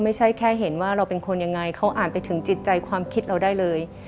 ไม่ใช่แค่เห็นว่าเราเป็นคนยังไงเขาอ่านไปถึงจิตใจความคิดเราได้เลย